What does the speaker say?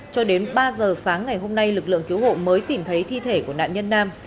cho đến ba giờ sáng ngày hôm nay lực lượng cứu hộ mới tìm thấy thi thể của nạn nhân nam